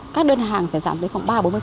các đơn hàng phải giảm tới khoảng ba bốn mươi